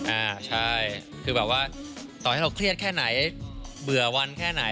อ่าใช่คือแบบว่าต่อให้เขาเครียดแค่ไหนเบื่อวันแค่ไหน